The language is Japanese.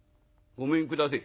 ごめんくだせえ」。